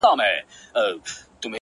د خپل وجود پرهرولو کي اتل زه یم!